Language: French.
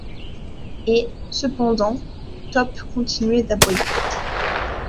Et, cependant, Top continuait d’aboyer.